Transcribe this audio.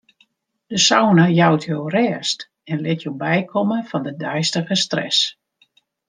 De sauna jout jo rêst en lit jo bykomme fan de deistige stress.